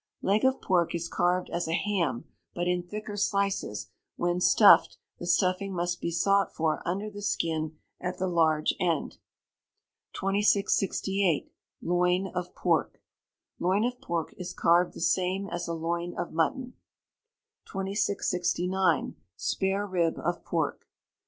Leg of pork is carved as a ham, but in thicker slices; when stuffed, the stuffing must be sought for under the skin at the large end. 2668. Loin of Pork. Loin of pork is carved the same as a loin of mutton. 2669. Spare rib of Pork.